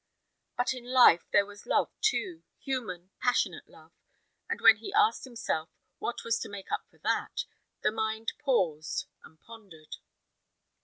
But in life there was love, too human, passionate love; and when he asked himself, what was to make up for that, the mind paused and pondered.